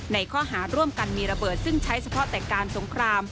ในข้อหาร่วมกันมีระเบิดซึ่งใช้เฉพาะแต่การสงคราม